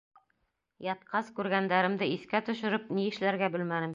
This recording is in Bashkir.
Ятҡас күргәндәремде иҫкә төшөрөп, ни эшләргә белмәнем.